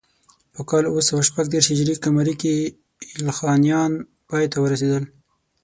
په کال اوه سوه شپږ دېرش هجري قمري کې ایلخانیان پای ته ورسېدل.